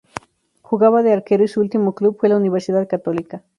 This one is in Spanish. Jugaba de arquero y su último club fue la Universidad Católica.